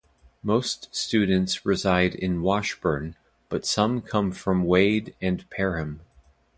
Most students reside in Washburn, but some come from Wade and Perham.